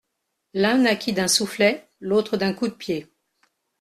L'un naquit d'un soufflet, l'autre d'un coup de pied.